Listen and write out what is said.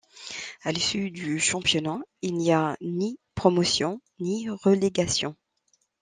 À l'issue du championnat, il n'y a ni promotion, ni relégation.